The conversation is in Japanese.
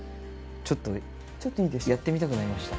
ちょっとやってみたくなりました。